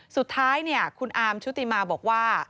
สุดท้ายเนี่ยคุณอามชุติมาบอกว่า